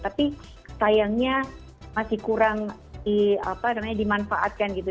tapi sayangnya masih kurang dimanfaatkan gitu